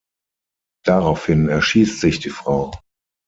Daraufhin erschießt sich die Frau.